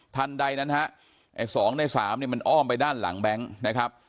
ทันใดนั้นฮะไอ้๒ใน๓เนี่ยมันอ้อมไปด้านหลังแบงค์นะครับ